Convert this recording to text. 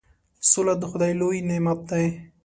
سوله د خدای لوی نعمت دی.